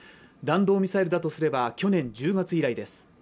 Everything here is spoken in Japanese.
弾道ミサイルだとすれば去年１０月以来です